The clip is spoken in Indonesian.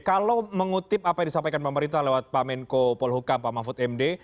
kalau mengutip apa yang disampaikan pemerintah lewat pak menko polhukam pak mahfud md